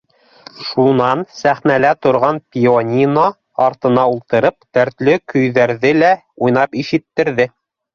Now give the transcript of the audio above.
Шунан сәхнәлә торған пианино артына ултырып, дәтле көйҙәрҙе лә уйнап ишеттерҙе.